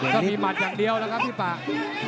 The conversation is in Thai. ก็มีหมัดอย่างเดียวนะครับพี่ป่า